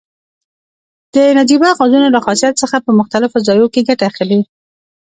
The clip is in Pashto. د نجیبه غازونو له خاصیت څخه په مختلفو ځایو کې ګټه اخلي.